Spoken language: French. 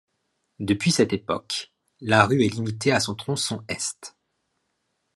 Depuis cette époque, la rue est limitée à son tronçon est.